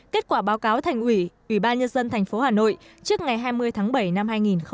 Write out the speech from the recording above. kết quả báo cáo thành ủy ủy ban nhân dân thành phố hà nội trước ngày hai mươi tháng bảy năm hai nghìn một mươi tám